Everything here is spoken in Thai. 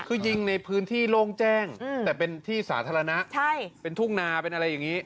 คือยิงในพื้นที่โล่งแจ้งแต่เป็นที่สาธารณะเป็นทุ่งนาเป็นอะไรอย่างนี้